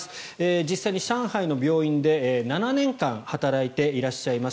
実際に上海の病院で７年間働いていらっしゃいます